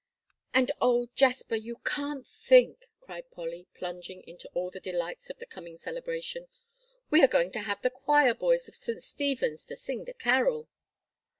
"And oh, Jasper, you can't think," cried Polly, plunging into all the delights of the coming celebration, "we are going to have the choir boys of St. Stephen's to sing the carol."